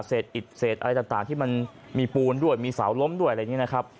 อิดเศษอะไรต่างที่มันมีปูนด้วยมีเสาล้มด้วยอะไรอย่างนี้นะครับ